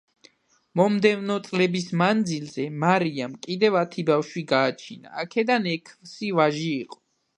მომდევნო წლების მანძილზე, მარიამ კიდევ ათი ბავშვი გააჩინა, აქედან ექვსი ვაჟი იყო.